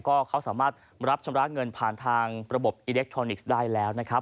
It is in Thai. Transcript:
ก็เขาสามารถรับชำระเงินผ่านทางระบบอิเล็กทรอนิกส์ได้แล้วนะครับ